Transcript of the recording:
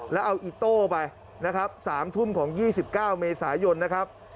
แล้วเอาอิโต้ไปนะครับ๓ทุ่มของ๒๙เมษายนนะครับ